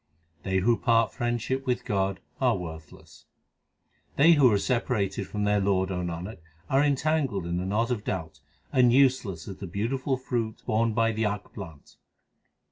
They who part friendship with God are worthless: They who are separated from their Lord, O Nanak, arc entangled in the knot of doubt, And useless as the beautiful fruit borne by the akk plant.